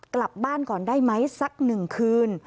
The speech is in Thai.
กลับบ้านก่อนได้ไหมสักหนึ่งคืน